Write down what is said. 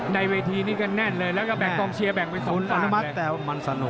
ในเวทีนี้ก็แน่นเลยแล้วก็แบ่งกองเชียร์แบ่งไปสองฝั่งเลย